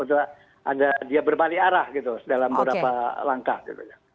dia berbalik arah gitu dalam beberapa langkah gitu